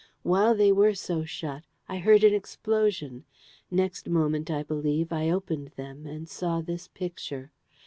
While they were so shut, I heard an explosion. Next moment, I believe, I opened them, and saw this Picture.